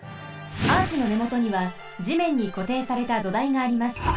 アーチのねもとにはじめんにこていされた土台があります。